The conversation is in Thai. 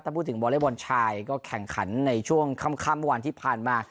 ถ้าพูดถึงวอเล็กบอลชายก็แข่งขันในช่วงค่ำเมื่อวานที่ผ่านมา